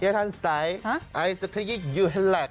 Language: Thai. เย้ทานใสไอสัคยิกยูเหล็ก